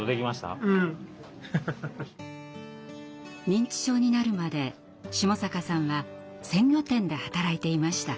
認知症になるまで下坂さんは鮮魚店で働いていました。